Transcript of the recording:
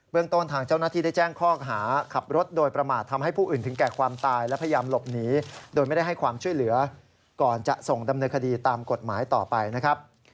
ต้นทางเจ้าหน้าที่ได้แจ้งข้อหาขับรถโดยประมาททำให้ผู้อื่นถึงแก่ความตายและพยายามหลบหนีโดยไม่ได้ให้ความช่วยเหลือก่อนจะส่งดำเนินคดีตามกฎหมายต่อไปนะครับ